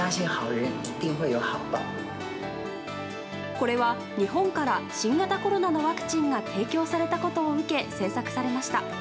これは日本から新型コロナのワクチンが提供されたことを受け制作されました。